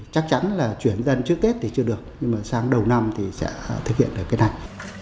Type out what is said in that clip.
chắc chắn là chuyển dân trước tết thì chưa được nhưng mà sang đầu năm thì sẽ thực hiện được cái này